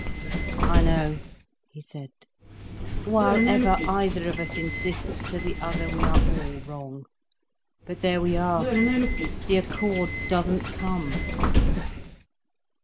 "I know," he said. "While ever either of us insists to the other, we are all wrong. But there we are, the accord doesn't come."